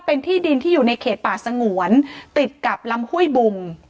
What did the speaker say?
เป็นที่ดินที่อยู่ในเขตป่าสงวนติดกับลำห้วยบุง